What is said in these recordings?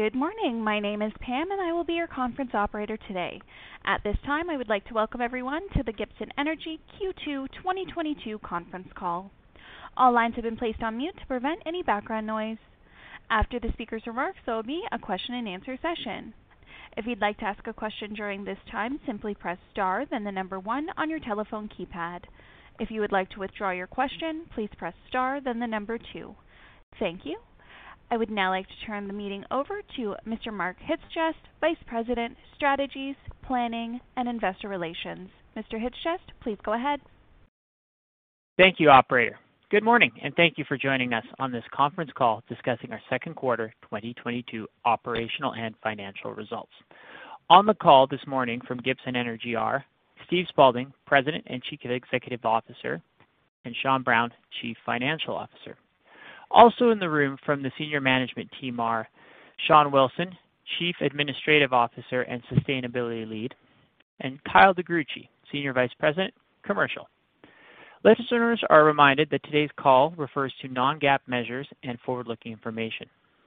Good morning. My name is Pam, and I will be your conference operator today. At this time, I would like to welcome everyone to the Gibson Energy Q2 2022 conference call. All lines have been placed on mute to prevent any background noise. After the speaker's remarks, there will be a question-and-answer session. If you'd like to ask a question during this time, simply press star then the number one on your telephone keypad. If you would like to withdraw your question, please press star then the number two. Thank you. I would now like to turn the meeting over to Mr. Mark Chyc-Cies, Vice President, Strategy, Planning and Investor Relations. Mr. Chyc-Cies, please go ahead. Thank you, operator. Good morning, and thank you for joining us on this conference call discussing our second quarter 2022 operational and financial results. On the call this morning from Gibson Energy are Steve Spaulding, President and Chief Executive Officer, and Sean Brown, Chief Financial Officer. Also in the room from the senior management team are Sean Wilson, Chief Administrative Officer and Sustainability Lead, and Kyle DeGruchy, Senior Vice President, Commercial. Listeners are reminded that today's call refers to non-GAAP measures and forward-looking information.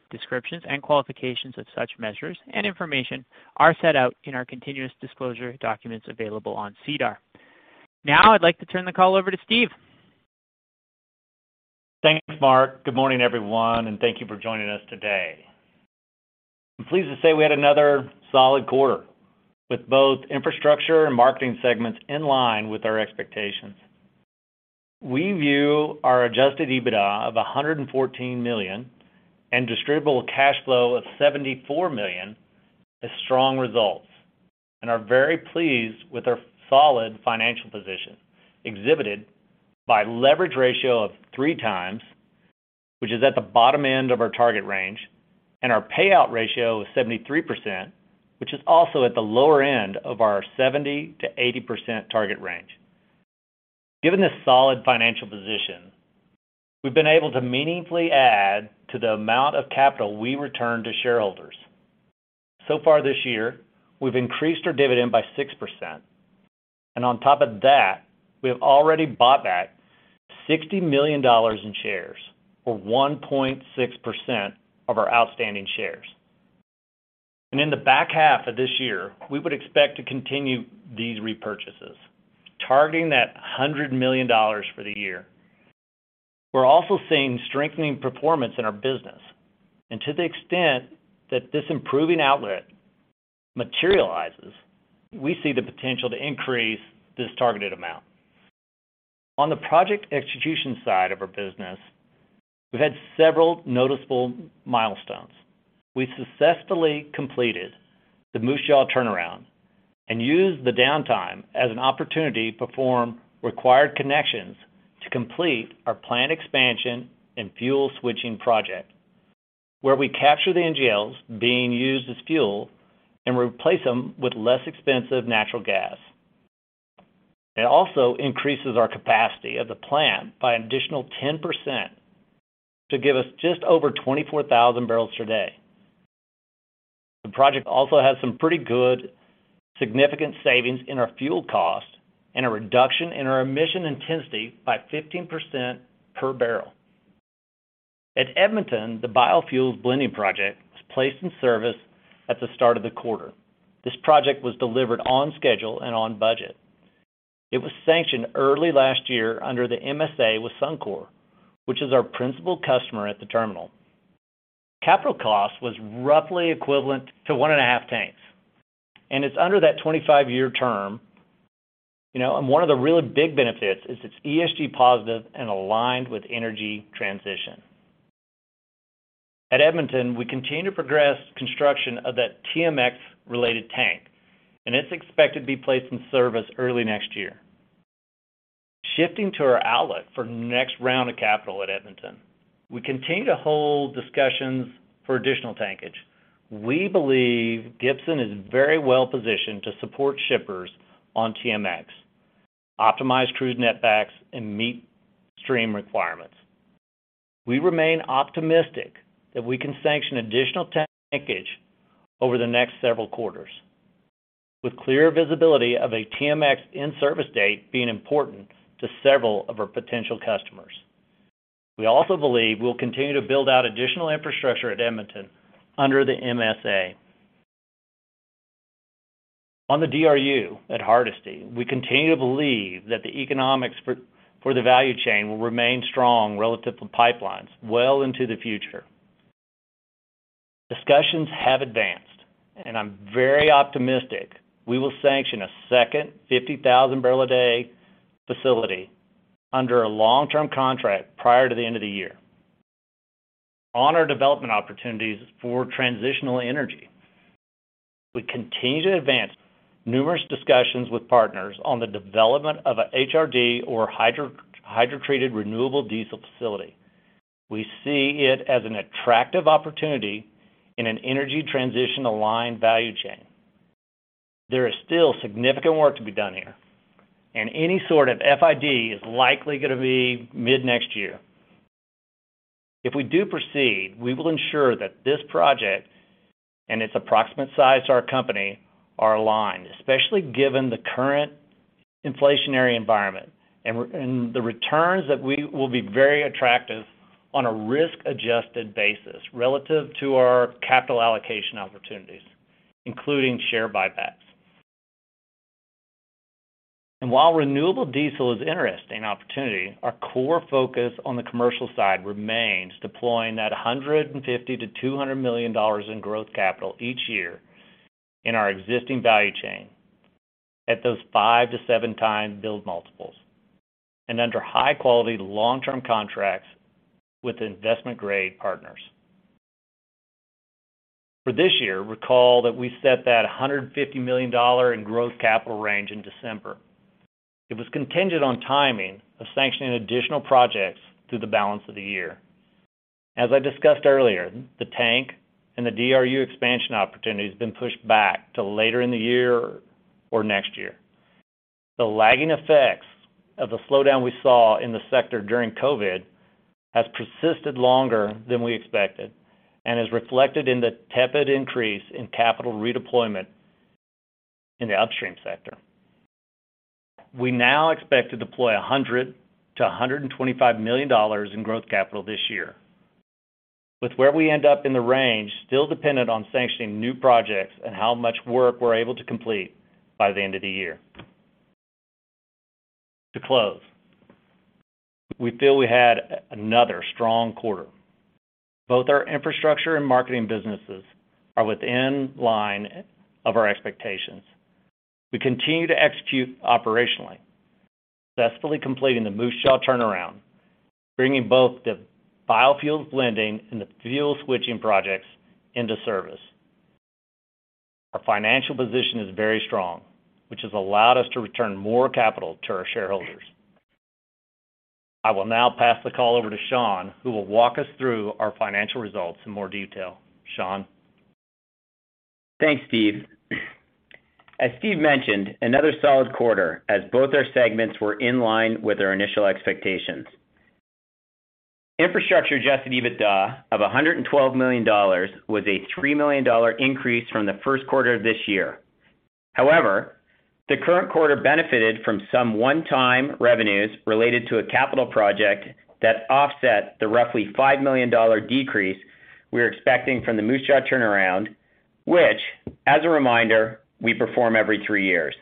Descriptions and qualifications of such measures and information are set out in our continuous disclosure documents available on SEDAR. Now I'd like to turn the call over to Steve. Thanks, Mark Chyc-Cies. Good morning, everyone, and thank you for joining us today. I'm pleased to say we had another solid quarter, with both infrastructure and marketing segments in line with our expectations. We view our adjusted EBITDA of $114 million and distributable cash flow of $74 million as strong results and are very pleased with our solid financial position exhibited by leverage ratio of 3x, which is at the bottom end of our target range, and our payout ratio of 73%, which is also at the lower end of our 70%-80% target range. Given this solid financial position, we've been able to meaningfully add to the amount of capital we return to shareholders. So far this year, we've increased our dividend by 6%. On top of that, we have already bought back $60 million in shares or 1.6% of our outstanding shares. In the back half of this year, we would expect to continue these repurchases, targeting that $100 million for the year. We're also seeing strengthening performance in our business. To the extent that this improving outlet materializes, we see the potential to increase this targeted amount. On the project execution side of our business, we've had several noticeable milestones. We successfully completed the Moose Jaw turnaround and used the downtime as an opportunity to perform required connections to complete our plant expansion and fuel switching project, where we capture the NGLs being used as fuel and replace them with less expensive natural gas. It also increases our capacity of the plant by an additional 10% to give us just over 24,000 barrels per day. The project also has some pretty good significant savings in our fuel cost and a reduction in our emission intensity by 15% per barrel. At Edmonton, the biofuels blending project was placed in service at the start of the quarter. This project was delivered on schedule and on budget. It was sanctioned early last year under the MSA with Suncor, which is our principal customer at the terminal. Capital cost was roughly equivalent to 1.5 tanks, and it's under that 25-year term. You know, one of the really big benefits is it's ESG positive and aligned with energy transition. At Edmonton, we continue to progress construction of that TMX-related tank, and it's expected to be placed in service early next year. Shifting to our outlook for next round of capital at Edmonton, we continue to hold discussions for additional tankage. We believe Gibson is very well positioned to support shippers on TMX, optimize crude netbacks, and meet stream requirements. We remain optimistic that we can sanction additional tankage over the next several quarters, with clear visibility of a TMX in-service date being important to several of our potential customers. We also believe we'll continue to build out additional infrastructure at Edmonton under the MSA. On the DRU at Hardisty, we continue to believe that the economics for the value chain will remain strong relative to pipelines well into the future. Discussions have advanced, and I'm very optimistic we will sanction a second 50,000 barrel a day facility under a long-term contract prior to the end of the year. On our development opportunities for transitional energy, we continue to advance numerous discussions with partners on the development of a HRD or hydrotreated renewable diesel facility. We see it as an attractive opportunity in an energy transition aligned value chain. There is still significant work to be done here, and any sort of FID is likely gonna be mid-next year. If we do proceed, we will ensure that this project and its approximate size to our company are aligned, especially given the current inflationary environment. The returns that we will be very attractive on a risk-adjusted basis relative to our capital allocation opportunities, including share buybacks. While renewable diesel is interesting opportunity, our core focus on the commercial side remains deploying $150 million-$200 million in growth capital each year in our existing value chain at those 5-7x build multiples, and under high quality long-term contracts with investment grade partners. For this year, recall that we set $150 million in growth capital range in December. It was contingent on timing of sanctioning additional projects through the balance of the year. As I discussed earlier, the tank and the DRU expansion opportunity has been pushed back to later in the year or next year. The lagging effects of the slowdown we saw in the sector during COVID has persisted longer than we expected and is reflected in the tepid increase in capital redeployment in the upstream sector. We now expect to deploy $100 million-$125 million in growth capital this year, with where we end up in the range still dependent on sanctioning new projects and how much work we're able to complete by the end of the year. To close, we feel we had another strong quarter. Both our infrastructure and marketing businesses are in line with our expectations. We continue to execute operationally, successfully completing the Moose Jaw turnaround, bringing both the biofuels blending and the fuel switching projects into service. Our financial position is very strong, which has allowed us to return more capital to our shareholders. I will now pass the call over to Sean, who will walk us through our financial results in more detail. Sean? Thanks, Steve. As Steve mentioned, another solid quarter as both our segments were in line with our initial expectations. Infrastructure adjusted EBITDA of $112 million was a $3 million increase from the first quarter of this year. However, the current quarter benefited from some one-time revenues related to a capital project that offset the roughly $5 million decrease we were expecting from the Moose Jaw turnaround, which, as a reminder, we perform every three years.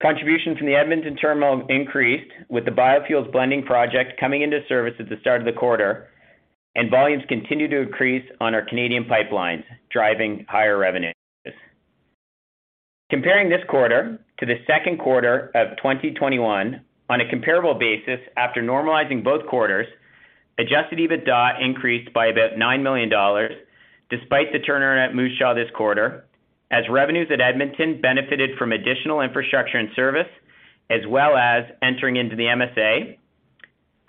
Contributions from the Edmonton terminal increased, with the biofuels blending project coming into service at the start of the quarter, and volumes continued to increase on our Canadian pipelines, driving higher revenues. Comparing this quarter to the second quarter of 2021, on a comparable basis, after normalizing both quarters, adjusted EBITDA increased by about $9 million despite the turnaround at Moose Jaw this quarter, as revenues at Edmonton benefited from additional infrastructure and service, as well as entering into the MSA.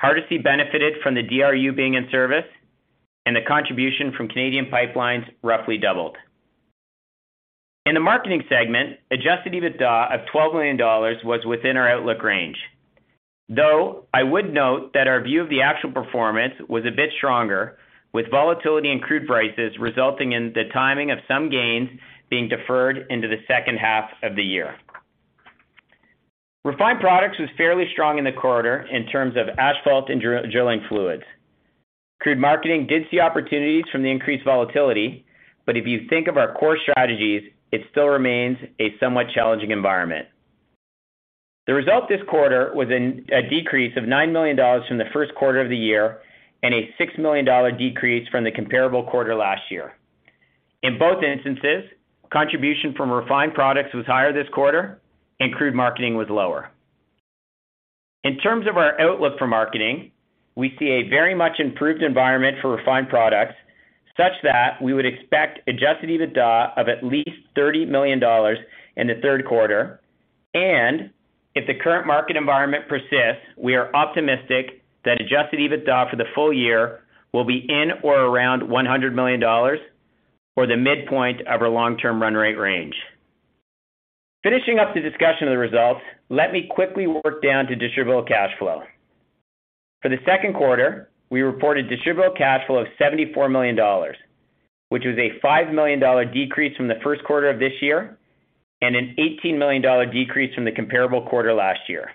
Hardisty benefited from the DRU being in service, and the contribution from Canadian pipelines roughly doubled. In the marketing segment, adjusted EBITDA of $12 million was within our outlook range. Though, I would note that our view of the actual performance was a bit stronger, with volatility in crude prices resulting in the timing of some gains being deferred into the second half of the year. Refined products was fairly strong in the quarter in terms of asphalt and drilling fluids. Crude marketing did see opportunities from the increased volatility, but if you think of our core strategies, it still remains a somewhat challenging environment. The result this quarter was a decrease of $9 million from the first quarter of the year and a $6 million decrease from the comparable quarter last year. In both instances, contribution from refined products was higher this quarter and crude marketing was lower. In terms of our outlook for marketing, we see a very much improved environment for refined products, such that we would expect adjusted EBITDA of at least $30 million in the third quarter. If the current market environment persists, we are optimistic that adjusted EBITDA for the full year will be in or around $100 million or the midpoint of our long-term run rate range. Finishing up the discussion of the results, let me quickly work down to distributable cash flow. For the second quarter, we reported distributable cash flow of $74 million, which was a $5 million decrease from the first quarter of this year and a $18 million decrease from the comparable quarter last year.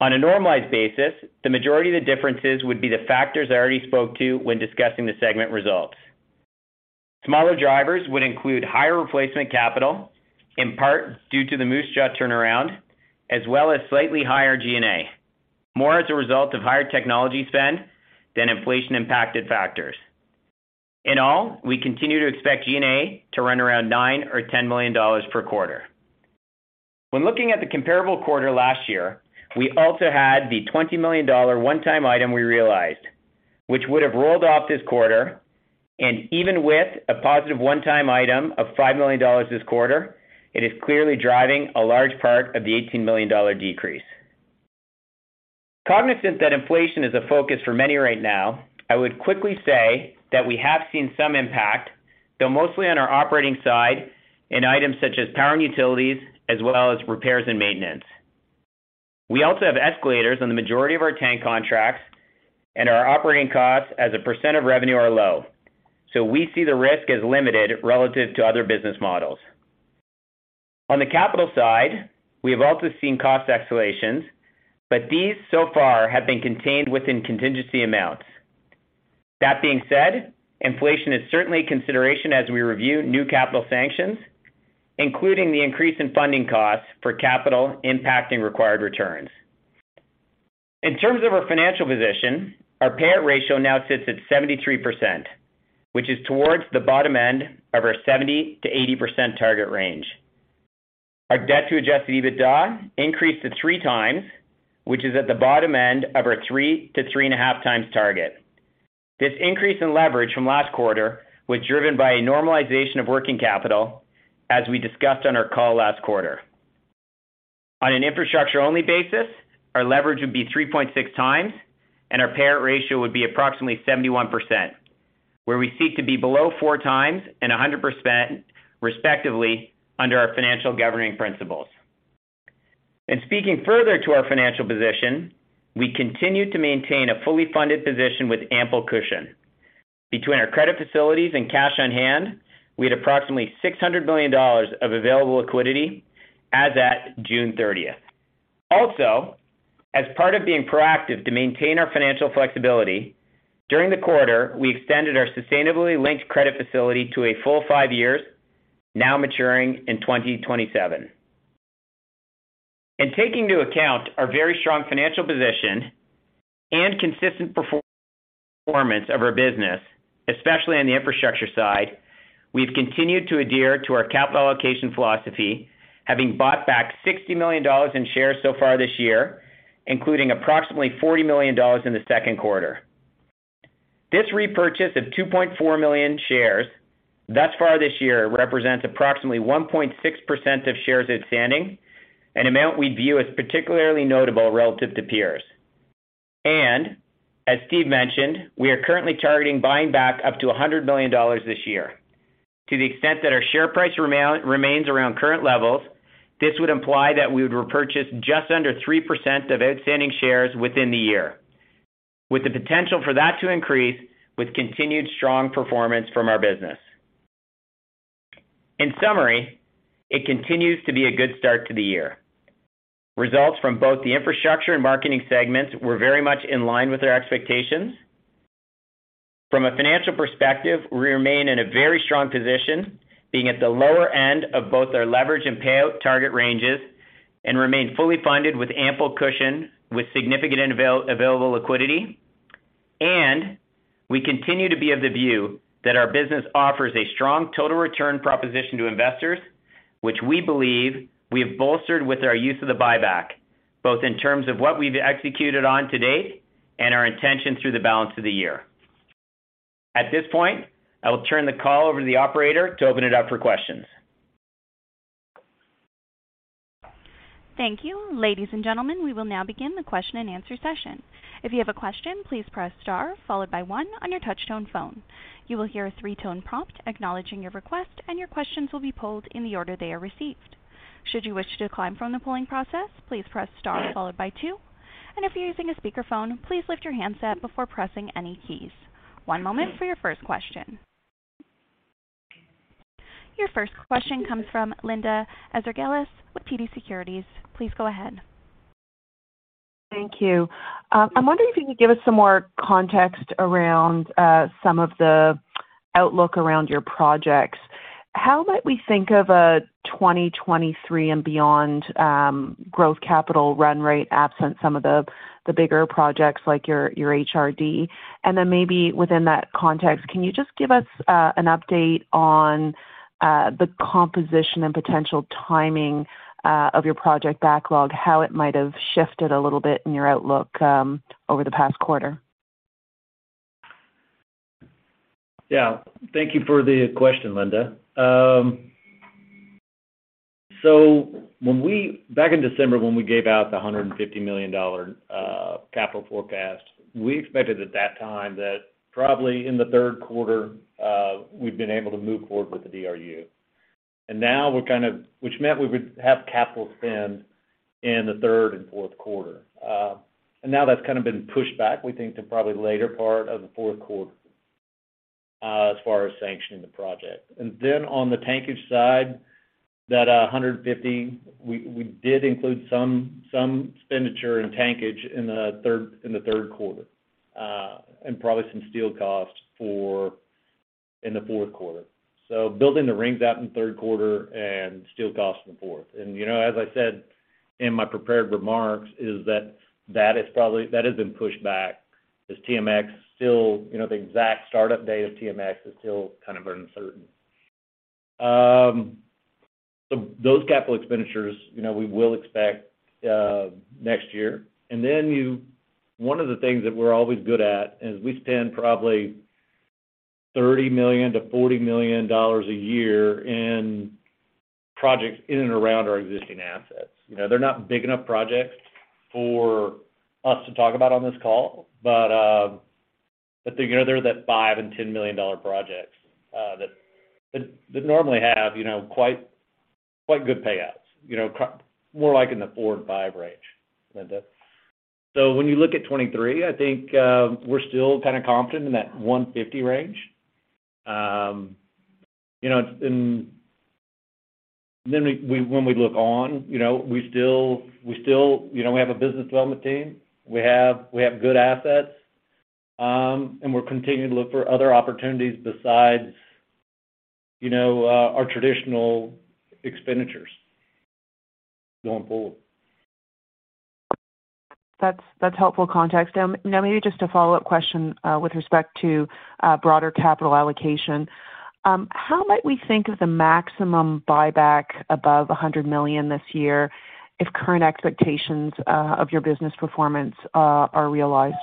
On a normalized basis, the majority of the differences would be the factors I already spoke to when discussing the segment results. Smaller drivers would include higher replacement capital, in part due to the Moose Jaw turnaround, as well as slightly higher G&A, more as a result of higher technology spend than inflation impacted factors. In all, we continue to expect G&A to run around $9 or $10 million per quarter. When looking at the comparable quarter last year, we also had the $20 million one-time item we realized, which would have rolled off this quarter, and even with a positive one-time item of $5 million this quarter, it is clearly driving a large part of the $18 million decrease. Cognizant that inflation is a focus for many right now, I would quickly say that we have seen some impact, though mostly on our operating side in items such as power and utilities as well as repairs and maintenance. We also have escalators on the majority of our tank contracts, and our operating costs as a % of revenue are low. We see the risk as limited relative to other business models. On the capital side, we have also seen cost escalations, but these so far have been contained within contingency amounts. That being said, inflation is certainly a consideration as we review new capital sanctions, including the increase in funding costs for capital impacting required returns. In terms of our financial position, our payout ratio now sits at 73%, which is towards the bottom end of our 70%-80% target range. Our debt to adjusted EBITDA increased to 3x, which is at the bottom end of our 3-3.5x target. This increase in leverage from last quarter was driven by a normalization of working capital, as we discussed on our call last quarter. On an infrastructure-only basis, our leverage would be 3.6x, and our payout ratio would be approximately 71%, where we seek to be below 4x and 100% respectively under our financial governing principles. Speaking further to our financial position, we continue to maintain a fully funded position with ample cushion. Between our credit facilities and cash on hand, we had approximately $600 million of available liquidity as at June 30. Also, as part of being proactive to maintain our financial flexibility, during the quarter, we extended our sustainability-linked credit facility to a full five years, now maturing in 2027. Taking into account our very strong financial position and consistent performance of our business, especially on the infrastructure side, we've continued to adhere to our capital allocation philosophy, having bought back $60 million in shares so far this year, including approximately $40 million in the second quarter. This repurchase of 2.4 million shares thus far this year represents approximately 1.6% of shares outstanding, an amount we view as particularly notable relative to peers. As Steve mentioned, we are currently targeting buying back up to $100 million this year. To the extent that our share price remains around current levels, this would imply that we would repurchase just under 3% of outstanding shares within the year, with the potential for that to increase with continued strong performance from our business. In summary, it continues to be a good start to the year. Results from both the infrastructure and marketing segments were very much in line with our expectations. From a financial perspective, we remain in a very strong position, being at the lower end of both our leverage and payout target ranges and remain fully funded with ample cushion, with significant available liquidity. We continue to be of the view that our business offers a strong total return proposition to investors, which we believe we have bolstered with our use of the buyback, both in terms of what we've executed on to date and our intention through the balance of the year. At this point, I will turn the call over to the operator to open it up for questions. Thank you. Ladies and gentlemen, we will now begin the question-and-answer session. If you have a question, please press star followed by one on your touch-tone phone. You will hear a three-tone prompt acknowledging your request, and your questions will be pulled in the order they are received. Should you wish to decline from the polling process, please press star followed by two. If you're using a speakerphone, please lift your handset before pressing any keys. One moment for your first question. Your first question comes from Linda Ezergailis with TD Securities. Please go ahead. Thank you. I'm wondering if you could give us some more context around, some of the outlook around your projects. How might we think of a 2023 and beyond, growth capital run rate absent some of the bigger projects like your HRD? Maybe within that context, can you just give us an update on the composition and potential timing of your project backlog, how it might have shifted a little bit in your outlook over the past quarter? Yeah. Thank you for the question, Linda. Back in December, when we gave out the $150 million capital forecast, we expected at that time that probably in the third quarter, we've been able to move forward with the DRU. Which meant we would have capital spend in the third and fourth quarter. Now that's kinda been pushed back, we think, to probably later part of the fourth quarter, as far as sanctioning the project. Then on the tankage side, that $150 million, we did include some expenditure in tankage in the third quarter, and probably some steel costs in the fourth quarter. Building the rings out in the third quarter and steel costs in the fourth. You know, as I said in my prepared remarks, that has been pushed back as TMX still, you know, the exact start-up date of TMX is still kind of uncertain. So those capital expenditures, you know, we will expect next year. One of the things that we're always good at is we spend probably $30 million-$40 million a year in projects in and around our existing assets. You know, they're not big enough projects for Us to talk about on this call. There are the $5- and 10-million-dollar projects that normally have quite good payouts. You know, more like in the 4-5 range, Linda. When you look at 2023, I think we're still kind of confident in that $150 million range. You know, it's. Then when we look ahead, you know, we still have a business development team. We have good assets. And we're continuing to look for other opportunities besides you know our traditional expenditures going forward. That's helpful context. Now maybe just a follow-up question, with respect to broader capital allocation. How might we think of the maximum buyback above $100 million this year if current expectations of your business performance are realized?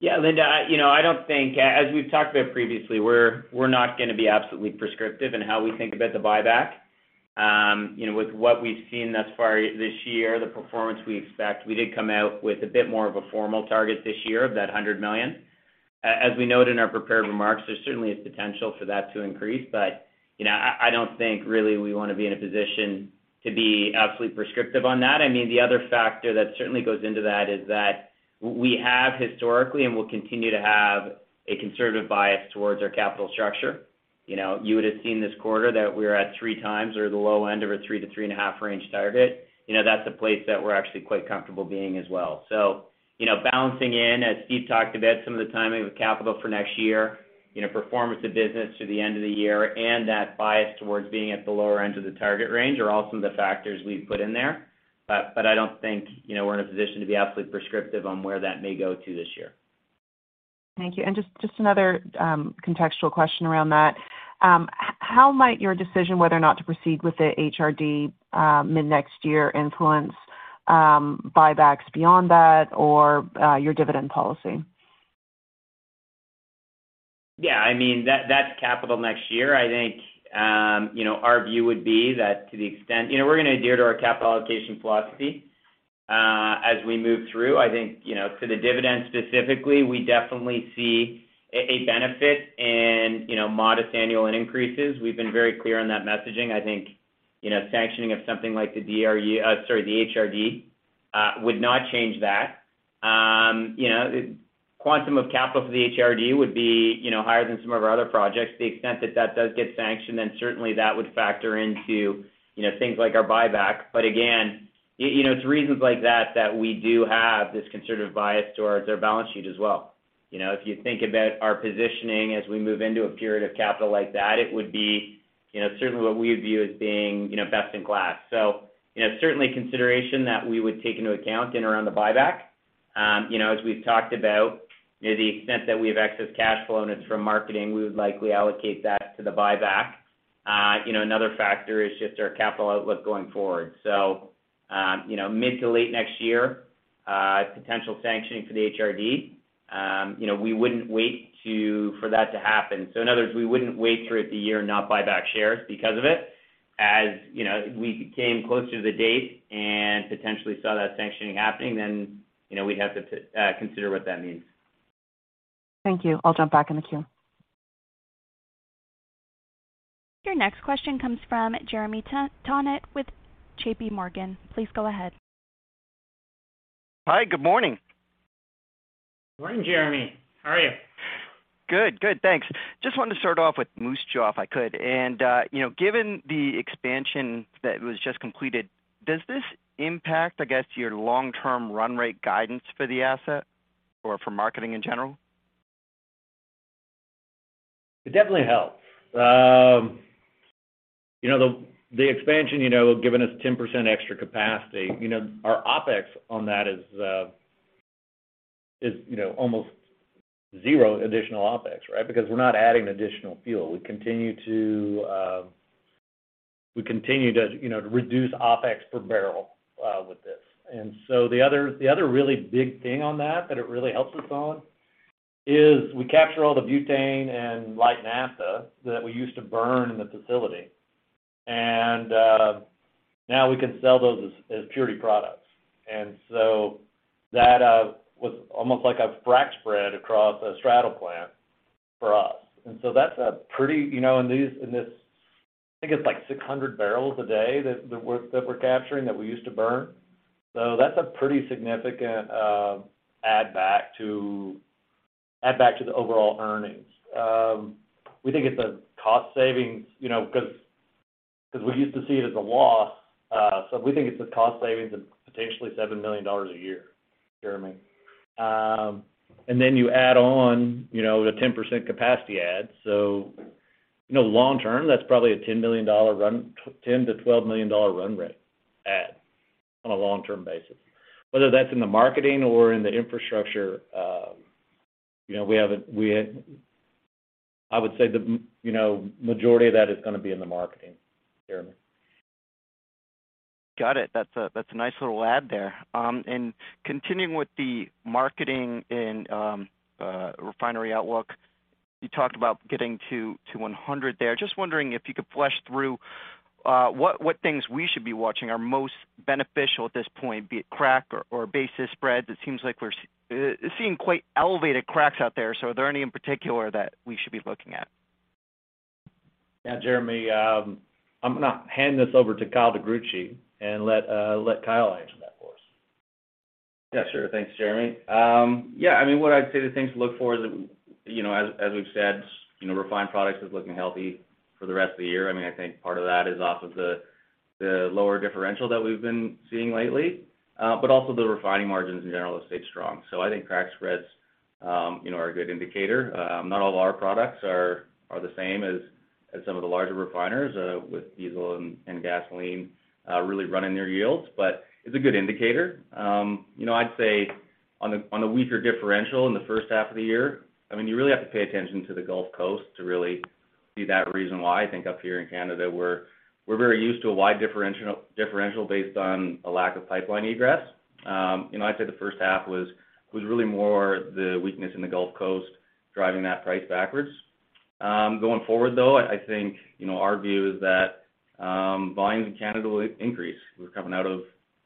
Linda, you know, I don't think—as we've talked about previously, we're not gonna be absolutely prescriptive in how we think about the buyback. You know, with what we've seen thus far this year, the performance we expect, we did come out with a bit more of a formal target this year of $100 million. As we noted in our prepared remarks, there's certainly a potential for that to increase. You know, I don't think really we wanna be in a position to be absolutely prescriptive on that. I mean, the other factor that certainly goes into that is that we have historically and will continue to have a conservative bias towards our capital structure. You know, you would have seen this quarter that we're at 3x or the low end of a 3-3.5 range target. You know, that's a place that we're actually quite comfortable being as well. You know, balancing in, as Steve talked about, some of the timing with capital for next year, you know, performance of business through the end of the year, and that bias towards being at the lower end of the target range are all some of the factors we've put in there. I don't think, you know, we're in a position to be absolutely prescriptive on where that may go to this year. Thank you. Just another contextual question around that. How might your decision whether or not to proceed with the HRD mid-next year influence buybacks beyond that or your dividend policy? Yeah, I mean, that's capital next year. I think, you know, our view would be that to the extent you know, we're gonna adhere to our capital allocation philosophy, as we move through. I think, you know, to the dividend specifically, we definitely see a benefit in, you know, modest annual increases. We've been very clear on that messaging. I think, you know, sanctioning of something like the DRU, the HRD, would not change that. You know, quantum of capital for the HRD would be, you know, higher than some of our other projects. To the extent that that does get sanctioned, then certainly that would factor into, you know, things like our buyback. But again, you know, it's reasons like that we do have this conservative bias towards our balance sheet as well. You know, if you think about our positioning as we move into a period of capital like that, it would be, you know, certainly what we would view as being, you know, best in class. You know, certainly consideration that we would take into account in and around the buyback. You know, as we've talked about, you know, the extent that we have excess cash flow and it's from marketing, we would likely allocate that to the buyback. You know, another factor is just our capital outlook going forward. Mid to late next year, potential sanctioning for the HRD. You know, we wouldn't wait for that to happen. In other words, we wouldn't wait through the year and not buy back shares because of it. As you know, we came closer to the date and potentially saw that sanctioning happening, then you know, we'd have to consider what that means. Thank you. I'll jump back in the queue. Your next question comes from Jeremy Tonet with JPMorgan. Please go ahead. Hi. Good morning. Morning, Jeremy. How are you? Good. Thanks. Just wanted to start off with Moose Jaw, if I could. You know, given the expansion that was just completed, does this impact, I guess, your long-term run rate guidance for the asset or for marketing in general? It definitely helps. You know, the expansion, you know, giving us 10% extra capacity, you know, our OpEx on that is, you know, almost zero additional OpEx, right? Because we're not adding additional fuel. We continue to, you know, to reduce OpEx per barrel with this. The other really big thing on that that it really helps us on is we capture all the butane and light naphtha that we used to burn in the facility. Now we can sell those as purity products. That was almost like a crack spread across a straddle plant for us. That's a pretty, you know, in this I think it's like 600 barrels a day that we're capturing that we used to burn. That's a pretty significant add back to the overall earnings. We think it's a cost savings, you know, 'cause we used to see it as a loss. We think it's a cost savings of potentially $7 million a year, Jeremy. You add on, you know, the 10% capacity add. You know, long term, that's probably a $10-12 million run rate add on a long-term basis. Whether that's in the marketing or in the infrastructure, you know, I would say the majority of that is gonna be in the marketing, Jeremy. Got it. That's a nice little add there. Continuing with the marketing and refinery outlook. You talked about getting to 100 there. Just wondering if you could flesh out what things we should be watching are most beneficial at this point, be it crack or basis spreads. It seems like we're seeing quite elevated cracks out there, so are there any in particular that we should be looking at? Yeah, Jeremy, I'm gonna hand this over to Kyle DeGruchy, and let Kyle answer that for us. Yeah, sure. Thanks, Jeremy. Yeah, I mean, what I'd say the things to look for is, you know, as we've said, you know, refined products is looking healthy for the rest of the year. I mean, I think part of that is off of the lower differential that we've been seeing lately, but also the refining margins in general have stayed strong. I think crack spreads, you know, are a good indicator. Not all of our products are the same as some of the larger refiners, with diesel and gasoline really running their yields, but it's a good indicator. You know, I'd say on the weaker differential in the first half of the year, I mean, you really have to pay attention to the Gulf Coast to really see that reason why. I think up here in Canada, we're very used to a wide differential based on a lack of pipeline egress. You know, I'd say the first half was really more the weakness in the Gulf Coast driving that price backwards. Going forward, though, I think you know, our view is that volumes in Canada will increase. We're coming out of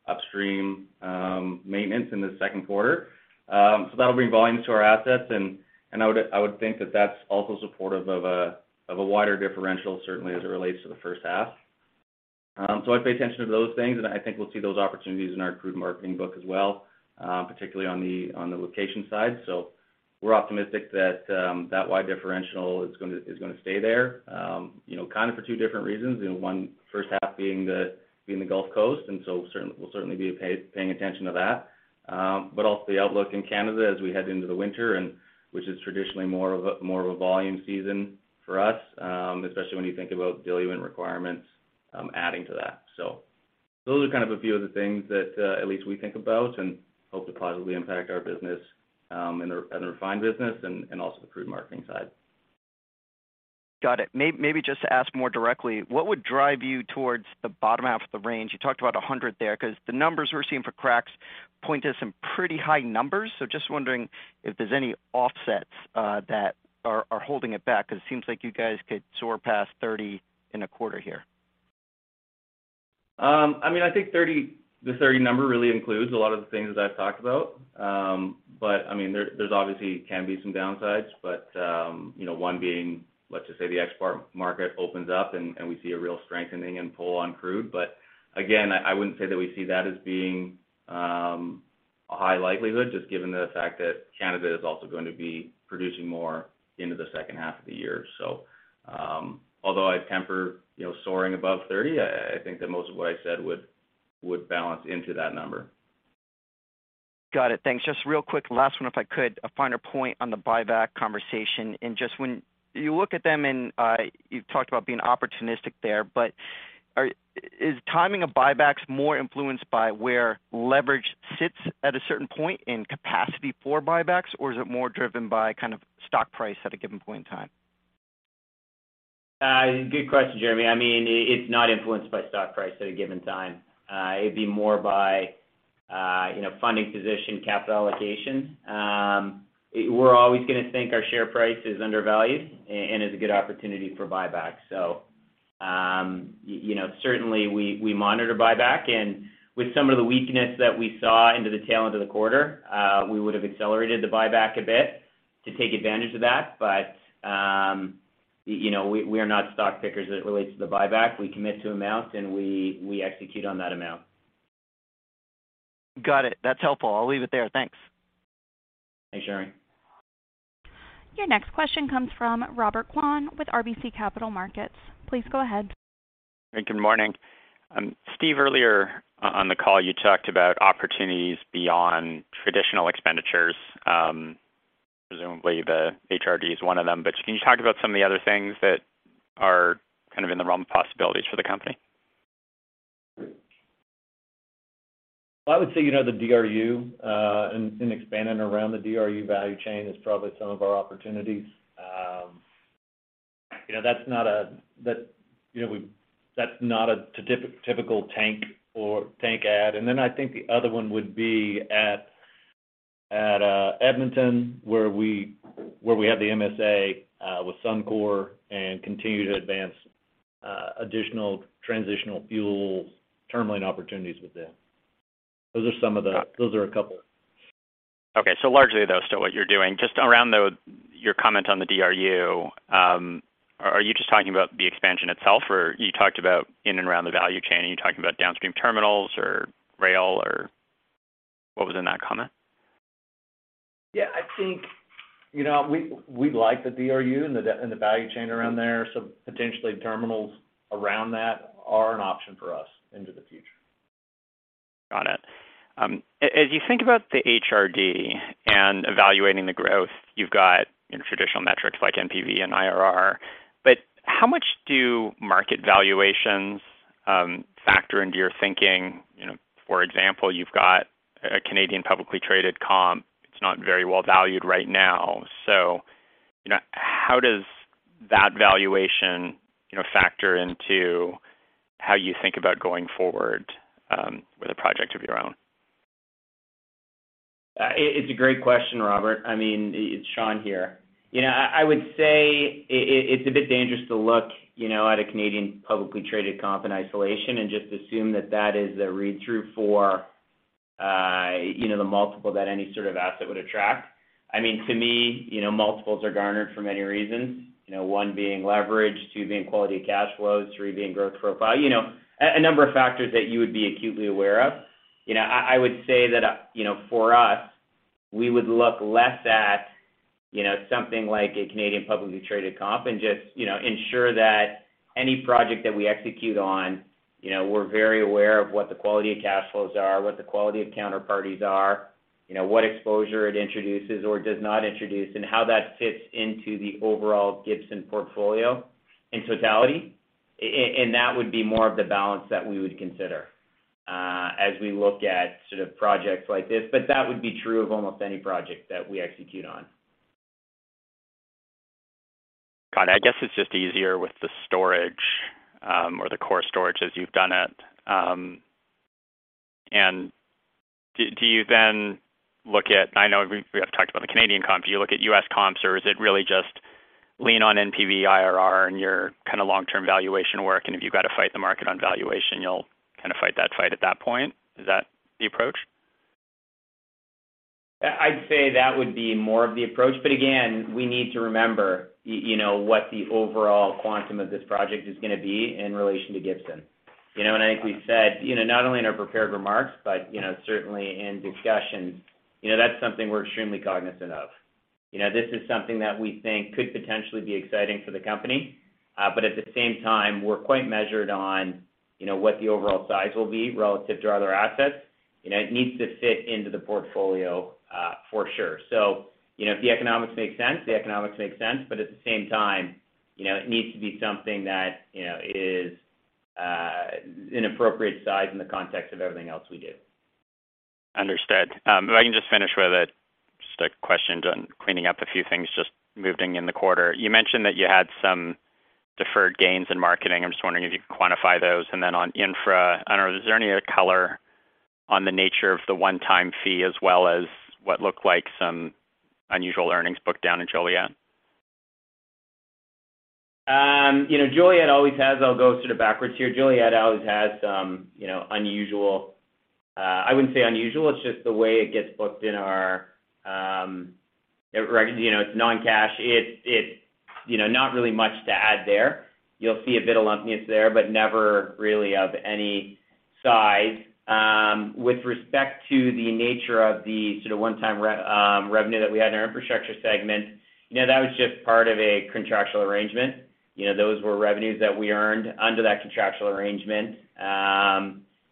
upstream maintenance in the second quarter. That'll bring volumes to our assets, and I would think that that's also supportive of a wider differential, certainly as it relates to the first half. I'd pay attention to those things, and I think we'll see those opportunities in our crude marketing book as well, particularly on the location side. We're optimistic that that wide differential is gonna stay there, you know, kind of for two different reasons. You know, one, first half being the Gulf Coast, and we'll certainly be paying attention to that. But also the outlook in Canada as we head into the winter and which is traditionally more of a volume season for us, especially when you think about diluent requirements, adding to that. Those are kind of a few of the things that at least we think about and hope to positively impact our business in the refined business and also the crude marketing side. Got it. Maybe just to ask more directly, what would drive you towards the bottom half of the range? You talked about 100 there, 'cause the numbers we're seeing for cracks point to some pretty high numbers. Just wondering if there's any offsets that are holding it back, 'cause it seems like you guys could soar past 30 in a quarter here. I mean, I think the 30 number really includes a lot of the things that I've talked about. I mean, there obviously can be some downsides, but you know, one being, let's just say the export market opens up and we see a real strengthening and pull on crude. Again, I wouldn't say that we see that as being a high likelihood, just given the fact that Canada is also going to be producing more into the second half of the year. Although I'd temper, you know, soaring above 30, I think that most of what I said would balance into that number. Got it. Thanks. Just real quick, last one, if I could. A finer point on the buyback conversation. Just when you look at them and, you've talked about being opportunistic there, but is timing of buybacks more influenced by where leverage sits at a certain point in capacity for buybacks, or is it more driven by kind of stock price at a given point in time? Good question, Jeremy. I mean, it's not influenced by stock price at a given time. It'd be more by, you know, funding position, capital allocation. We're always gonna think our share price is undervalued and is a good opportunity for buyback. You know, certainly we monitor buyback. With some of the weakness that we saw into the tail end of the quarter, we would have accelerated the buyback a bit to take advantage of that. You know, we are not stock pickers as it relates to the buyback. We commit to amount, and we execute on that amount. Got it. That's helpful. I'll leave it there. Thanks. Thanks, Jeremy. Your next question comes from Robert Kwan with RBC Capital Markets. Please go ahead. Hey, good morning. Steve, earlier on the call, you talked about opportunities beyond traditional expenditures, presumably the HRD is one of them. Can you talk about some of the other things that are kind of in the realm of possibilities for the company? Well, I would say, you know, the DRU and expanding around the DRU value chain is probably some of our opportunities. You know, that's not a typical tank or tank add. Then I think the other one would be at Edmonton, where we have the MSA with Suncor and continue to advance additional transitional fuel terminal opportunities with them. Those are some of the- Got it. Those are a couple. Okay. Largely, though, still what you're doing. Just around, though, your comment on the DRU, are you just talking about the expansion itself? Or you talked about in and around the value chain. Are you talking about downstream terminals or rail or what was in that comment? Yeah, I think, you know, we like the DRU and the value chain around there. Potentially terminals around that are an option for us into the future. Got it. As you think about the HRD and evaluating the growth, you've got traditional metrics like NPV and IRR, but how much do market valuations factor into your thinking? You know, for example, you've got a Canadian publicly traded comp. It's not very well valued right now. You know, how does that valuation, you know, factor into how you think about going forward with a project of your own? It's a great question, Robert. I mean, it's Sean here. You know, I would say it's a bit dangerous to look, you know, at a Canadian publicly traded comp in isolation and just assume that that is a read-through for, you know, the multiple that any sort of asset would attract. I mean, to me, you know, multiples are garnered for many reasons. You know, one being leverage, two being quality of cash flows, three being growth profile. You know, a number of factors that you would be acutely aware of. You know, I would say that, you know, for us, we would look less at, you know, something like a Canadian publicly traded comp and just, you know, ensure that any project that we execute on, you know, we're very aware of what the quality of cash flows are, what the quality of counterparties are, you know, what exposure it introduces or does not introduce, and how that fits into the overall Gibson portfolio in totality. That would be more of the balance that we would consider, as we look at sort of projects like this. That would be true of almost any project that we execute on. Got it. I guess it's just easier with the storage, or the core storage as you've done it. I know we have talked about the Canadian comps. You look at U.S. comps, or is it really just lean on NPV, IRR, and your kind of long-term valuation work? If you've got to fight the market on valuation, you'll kind of fight that fight at that point. Is that the approach? I'd say that would be more of the approach. Again, we need to remember, you know, what the overall quantum of this project is gonna be in relation to Gibson. You know, and I think we said, you know, not only in our prepared remarks but, you know, certainly in discussions, you know, that's something we're extremely cognizant of. You know, this is something that we think could potentially be exciting for the company. But at the same time, we're quite measured on, you know, what the overall size will be relative to our other assets. You know, it needs to fit into the portfolio, for sure. You know, if the economics make sense, the economics make sense. At the same time, you know, it needs to be something that, you know, is an appropriate size in the context of everything else we do. Understood. If I can just finish with just a question on cleaning up a few things just moving in the quarter. You mentioned that you had some deferred gains in marketing. I'm just wondering if you could quantify those. Then on infra, I don't know, is there any other color on the nature of the one-time fee as well as what looked like some unusual earnings booked down in Joliet? You know, Joliet always has. I'll go sort of backwards here. Joliet always has some, you know, unusual. I wouldn't say unusual, it's just the way it gets booked in our, you know, it's non-cash. It's, you know, not really much to add there. You'll see a bit of lumpiness there but never really of any size. With respect to the nature of the sort of one-time revenue that we had in our infrastructure segment, you know, that was just part of a contractual arrangement. You know, those were revenues that we earned under that contractual arrangement.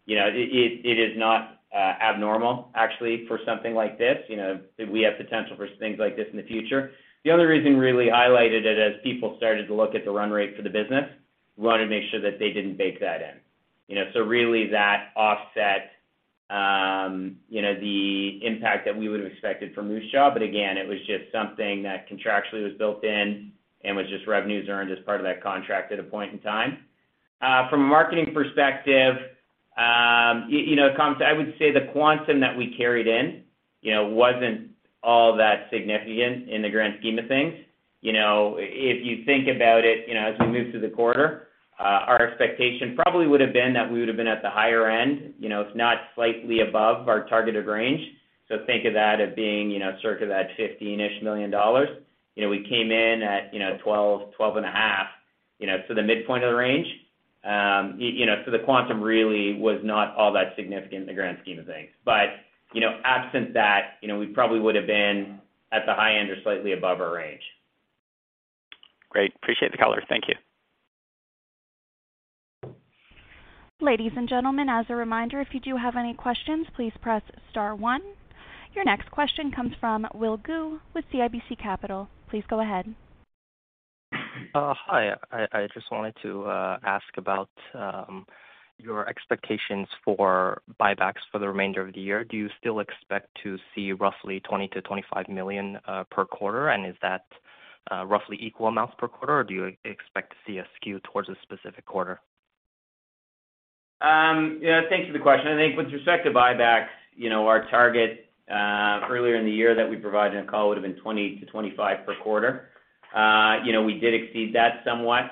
You know, it is not abnormal actually for something like this, you know, that we have potential for things like this in the future. The other reason we really highlighted it as people started to look at the run rate for the business, we wanted to make sure that they didn't bake that in. You know, so really that offset, you know, the impact that we would have expected from Moose Jaw. Again, it was just something that contractually was built in and was just revenues earned as part of that contract at a point in time. From a marketing perspective, you know, I would say the quantum that we carried in, you know, wasn't all that significant in the grand scheme of things. You know, if you think about it, you know, as we move through the quarter, our expectation probably would have been that we would have been at the higher end, you know, if not slightly above our targeted range. Think of that as being, you know, circa $50-ish million. You know, we came in at, you know, $12-12.5 million, you know, so the midpoint of the range. You know, so the quantum really was not all that significant in the grand scheme of things. You know, absent that, you know, we probably would have been at the high end or slightly above our range. Great. Appreciate the color. Thank you. Ladies and gentlemen, as a reminder, if you do have any questions, please press star one. Your next question comes from [Will gu] with CIBC Capital Markets. Please go ahead. [No Transcript] Thank you for the question. I think with respect to buybacks, you know, our target, earlier in the year that we provided in a call would have been $20 million-$25 million per quarter. You know, we did exceed that somewhat,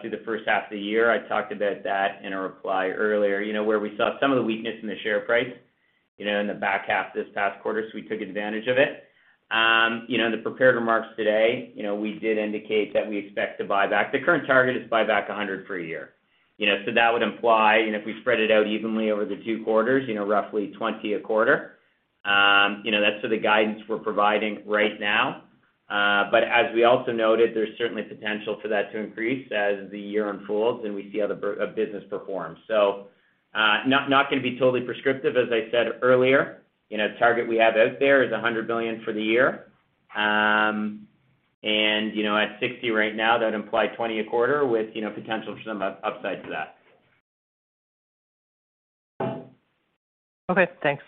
through the first half of the year. I talked about that in a reply earlier, you know, where we saw some of the weakness in the share price, you know, in the back half of this past quarter, so we took advantage of it. You know, in the prepared remarks today, you know, we did indicate that we expect to buy back. The current target is buy back $100 million per year. You know, so that would imply, you know, if we spread it out evenly over the two quarters, you know, roughly $20 million a quarter. You know, that's the guidance we're providing right now. As we also noted, there's certainly potential for that to increase as the year unfolds and we see how the business performs. Not gonna be totally prescriptive, as I said earlier. You know, target we have out there is $100 billion for the year. You know, at $60 right now, that'd imply $20 a quarter with, you know, potential for some upside to that. Okay, thanks.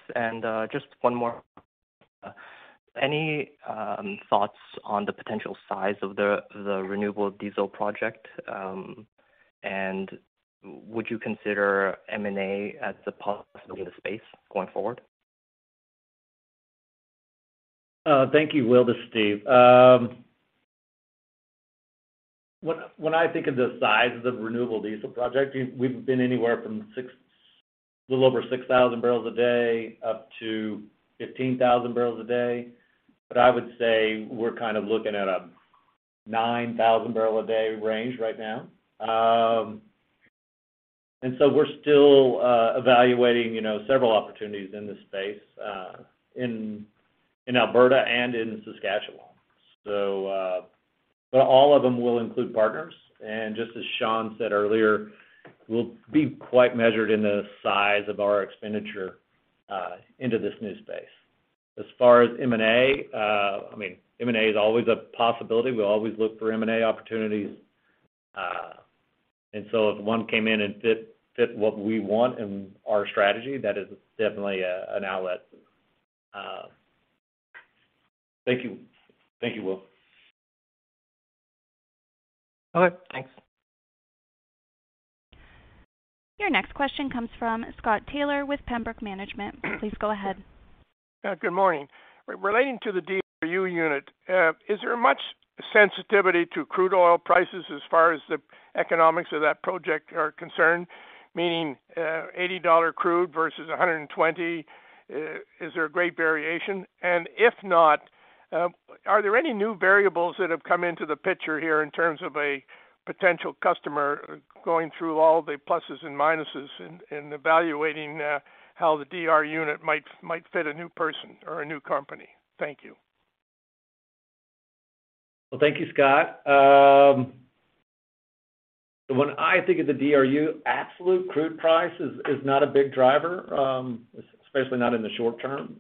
Just one more. Any thoughts on the potential size of the renewable diesel project? Would you consider M&A as a possibility in the space going forward? Thank you, Will. This is Steve. When I think of the size of the renewable diesel project, we've been anywhere from a little over 6,000 barrels a day up to 15,000 barrels a day. I would say we're kind of looking at a 9,000-barrel-a-day range right now. We're still evaluating, you know, several opportunities in this space in Alberta and in Saskatchewan. But all of them will include partners. Just as Sean said earlier, we'll be quite measured in the size of our expenditure into this new space. As far as M&A, I mean, M&A is always a possibility. We always look for M&A opportunities. If one came in and fit what we want in our strategy, that is definitely an outlet. Thank you. Thank you, Will. Okay, thanks. Your next question comes from Scott Taylor with Pembroke Management. Please go ahead. Good morning. Relating to the DRU unit, is there much sensitivity to crude oil prices as far as the economics of that project are concerned? Meaning, $80 crude versus $120, is there a great variation? If not, are there any new variables that have come into the picture here in terms of a potential customer going through all the pluses and minuses in evaluating how the DR unit might fit a new person or a new company? Thank you. Well, thank you, Scott. When I think of the DRU, absolute crude price is not a big driver, especially not in the short term.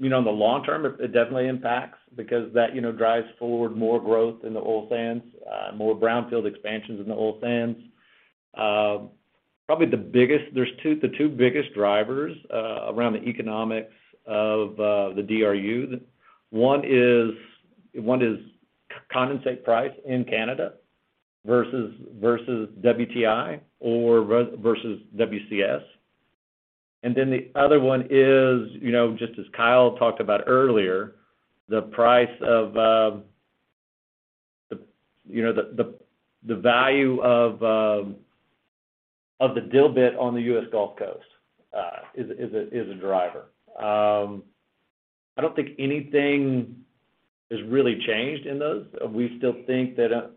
You know, in the long term it definitely impacts because that you know drives forward more growth in the oil sands, more brownfield expansions in the oil sands. Probably the two biggest drivers around the economics of the DRU. One is condensate price in Canada versus WTI or versus WCS. Then the other one is, you know, just as Kyle talked about earlier, the price of you know the value of the dilbit on the U.S. Gulf Coast is a driver. I don't think anything has really changed in those. We still think that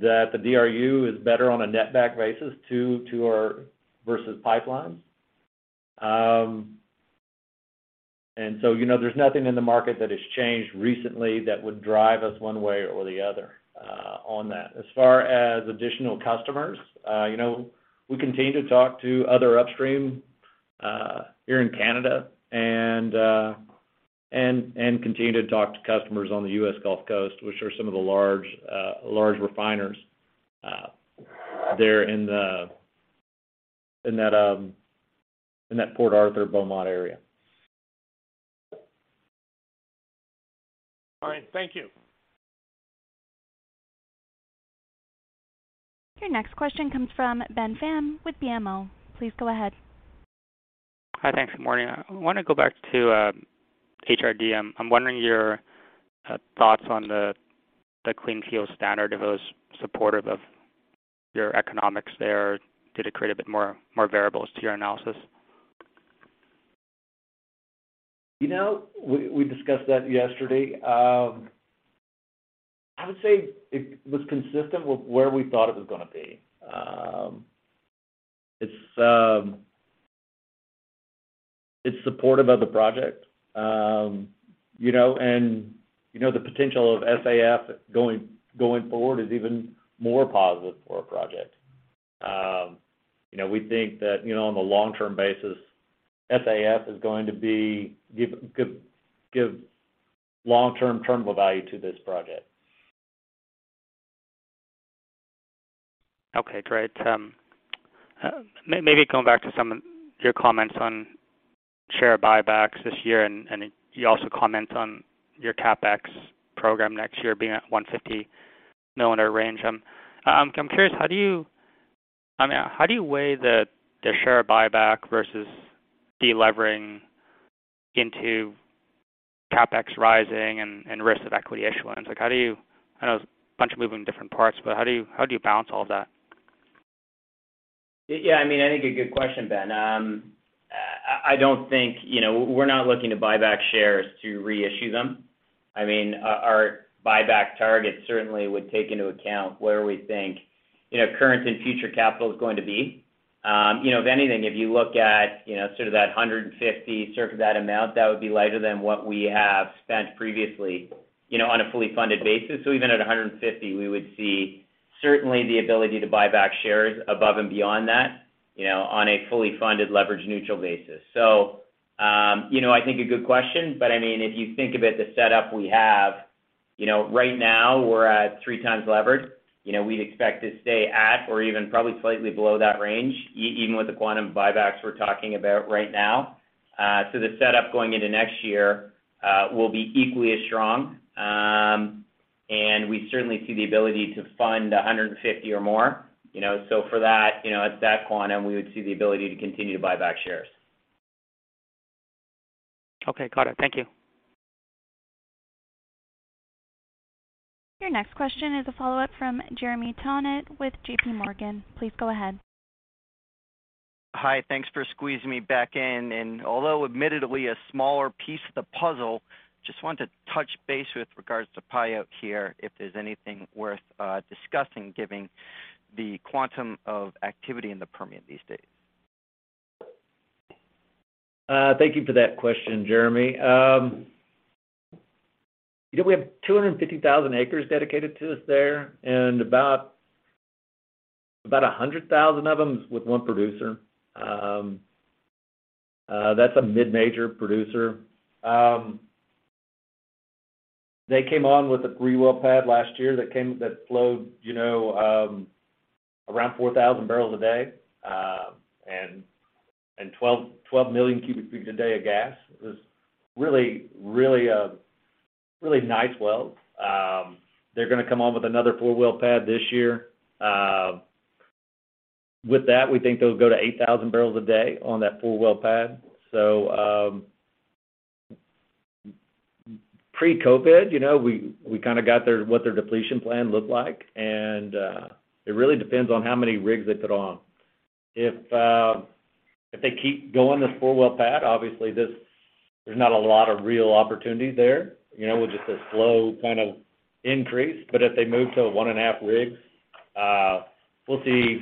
the DRU is better on a netback basis to ours versus pipelines. You know, there's nothing in the market that has changed recently that would drive us one way or the other on that. As far as additional customers, you know, we continue to talk to other upstream here in Canada and continue to talk to customers on the U.S. Gulf Coast, which are some of the large refiners there in that Port Arthur Beaumont area. All right. Thank you. Your next question comes from Ben Pham with BMO. Please go ahead. Hi. Thanks. Good morning. I wanna go back to HRD. I'm wondering your thoughts on the Clean Fuel Standard. Are those supportive of your economics there? Did it create a bit more variables to your analysis? You know, we discussed that yesterday. I would say it was consistent with where we thought it was gonna be. It's supportive of the project. You know, the potential of SAF going forward is even more positive for a project. You know, we think that on the long-term basis, SAF is going to give long-term terminal value to this project. Okay, great. Maybe going back to some of your comments on share buybacks this year, and you also comment on your CapEx program next year being at $150 million or range. I'm curious, how do you, I mean, how do you weigh the share buyback versus delevering into CapEx rising and risk of equity issuance? Like, how do you, I know a bunch of moving parts, but how do you balance all of that? Yeah, I mean, I think a good question, Ben. I don't think. You know, we're not looking to buy back shares to reissue them. I mean, our buyback target certainly would take into account where we think, you know, current and future capital is going to be. You know, if anything, if you look at, you know, sort of that $150, sort of that amount, that would be lighter than what we have spent previously, you know, on a fully funded basis. Even at $150, we would see certainly the ability to buy back shares above and beyond that, you know, on a fully funded leverage neutral basis. You know, I think a good question, but I mean, if you think about the setup we have, you know, right now we're at 3x levered. You know, we'd expect to stay at or even probably slightly below that range even with the quantum buybacks we're talking about right now. The setup going into next year will be equally as strong. We certainly see the ability to fund 150 or more, you know. For that, you know, at that quantum, we would see the ability to continue to buy back shares. Okay. Got it. Thank you. Your next question is a follow-up from Jeremy Tonet with JPMorgan. Please go ahead. Hi. Thanks for squeezing me back in. Although admittedly a smaller piece of the puzzle, just wanted to touch base with regards to payout here, if there's anything worth discussing given the quantum of activity in the Permian these days. Thank you for that question, Jeremy. You know, we have 250,000 acres dedicated to us there and about 100,000 of them with one producer. That's a mid-major producer. They came on with a three-well pad last year that flowed, you know, around 4,000 barrels a day, and 12 million cubic feet a day of gas. It was a really nice well. They're gonna come on with another four-well pad this year. With that, we think they'll go to 8,000 barrels a day on that four-well pad. Pre-COVID, you know, we kinda got what their depletion plan looked like, and it really depends on how many rigs they put on. If they keep going to 4-well pad, obviously there's not a lot of real opportunity there. You know, with just a slow kind of increase. If they move to 1.5 rigs, we'll see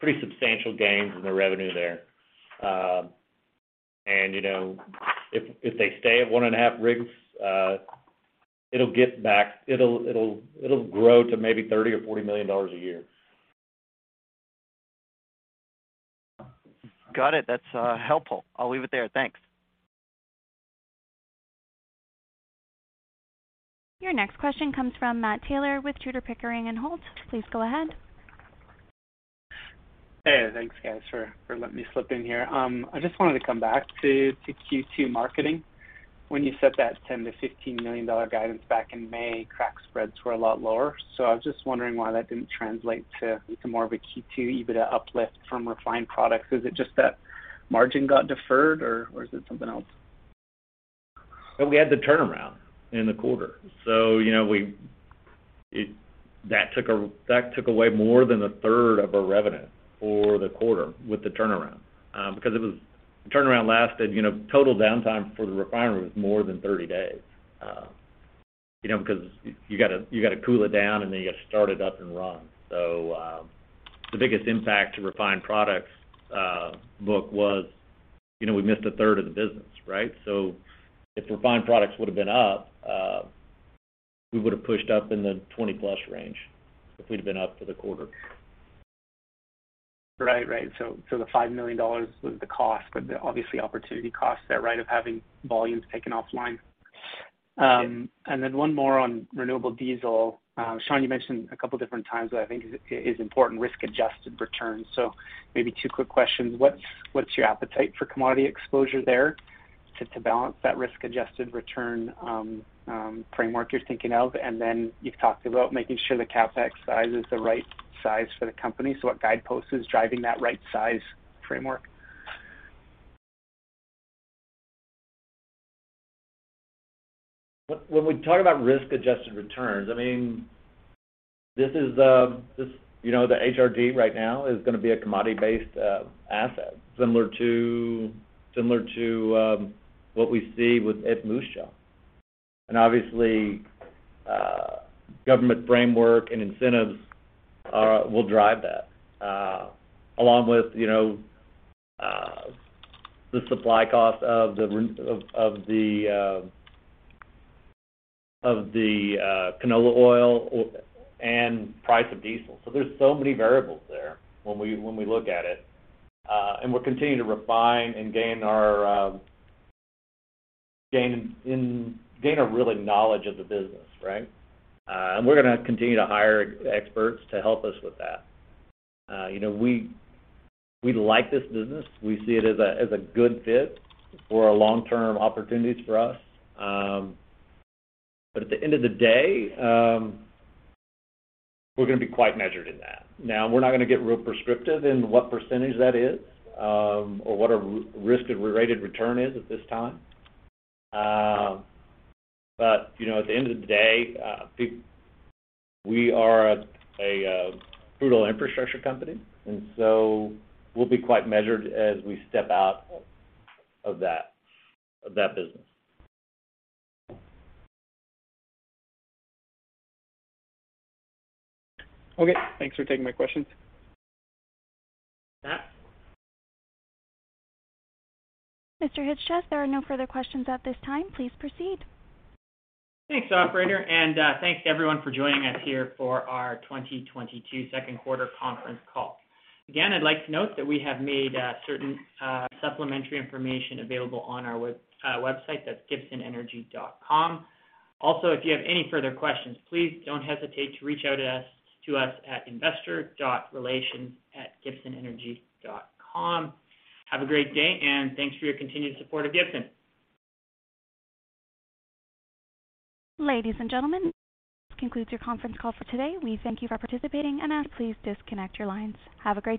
pretty substantial gains in the revenue there. You know, if they stay at 1.5 rigs, it'll grow to maybe $30 million or $40 million a year. Got it. That's helpful. I'll leave it there. Thanks. Your next question comes from Matt Taylor with Tudor Pickering Holt. Please go ahead. Hey, thanks, guys, for letting me slip in here. I just wanted to come back to Q2 marketing. When you set that $10-$15 million guidance back in May, crack spreads were a lot lower. I was just wondering why that didn't translate to more of a Q2 EBITDA uplift from refined products. Is it just that margin got deferred or is it something else? Well, we had the turnaround in the quarter, so you know, that took away more than a third of our revenue for the quarter with the turnaround. Because the turnaround lasted, you know, total downtime for the refinery was more than 30 days, you know, because you gotta cool it down, and then you gotta start it up and run. The biggest impact to refined products book was, you know, we missed a third of the business, right? If refined products would have been up, we would have pushed up in the 20-plus range if we'd have been up for the quarter. The $5 million was the cost, but obviously opportunity cost there, right, of having volumes taken offline. And then one more on renewable diesel. Sean, you mentioned a couple different times that I think is important risk-adjusted returns. Maybe two quick questions. What's your appetite for commodity exposure there to balance that risk-adjusted return framework you're thinking of? Then you've talked about making sure the CapEx size is the right size for the company. What guidepost is driving that right size framework? When we talk about risk-adjusted returns, I mean, this is, you know, the HRD right now is gonna be a commodity-based asset, similar to what we see with Moose Jaw. Obviously, government framework and incentives will drive that, along with, you know, the supply cost of the canola oil and price of diesel. There's so many variables there when we look at it. We'll continue to refine and gain a real knowledge of the business, right? We're gonna continue to hire experts to help us with that. You know, we like this business. We see it as a good fit for our long-term opportunities for us. At the end of the day, we're gonna be quite measured in that. Now, we're not gonna get real prescriptive in what percentage that is, or what our risk-adjusted return is at this time. You know, at the end of the day, we are a fuel infrastructure company, and so we'll be quite measured as we step out of that business. Okay. Thanks for taking my questions. Matt. Mr. Chyc-Cies, there are no further questions at this time. Please proceed. Thanks, operator, and thanks everyone for joining us here for our 2022 second quarter conference call. Again, I'd like to note that we have made certain supplementary information available on our website. That's gibsonenergy.com. Also, if you have any further questions, please don't hesitate to reach out to us at investor.relations@gibsonenergy.com. Have a great day, and thanks for your continued support of Gibson. Ladies and gentlemen, this concludes your conference call for today. We thank you for participating and ask that you please disconnect your lines. Have a great day.